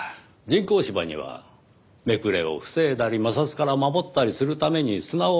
人工芝にはめくれを防いだり摩擦から守ったりするために砂をまくんです。